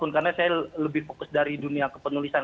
karena saya lebih fokus dari dunia kepenulisan